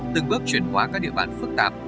từng bước chuyển qua các địa bàn phức tạp